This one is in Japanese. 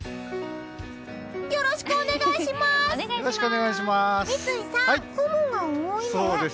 よろしくお願いします！